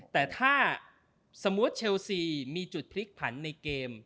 แต่ถ้าสมมุติเชลซีมีจุดพลิกผันในเกม